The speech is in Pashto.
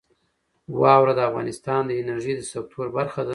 واوره د افغانستان د انرژۍ د سکتور برخه ده.